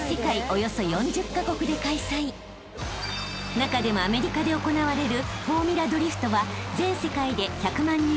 ［中でもアメリカで行われる］